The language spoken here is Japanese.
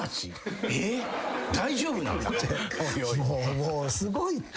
もうすごいって。